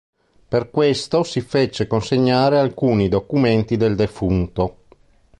Per questo si fece consegnare alcuni documenti del defunto.